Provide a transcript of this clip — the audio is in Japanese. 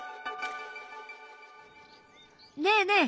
ねえねえ！